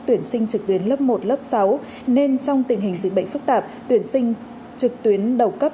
tuyển sinh trực tuyến lớp một lớp sáu nên trong tình hình dịch bệnh phức tạp tuyển sinh trực tuyến đầu cấp